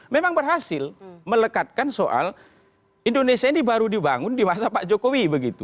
memang berhasil melekatkan soal indonesia ini baru dibangun di masa pak jokowi begitu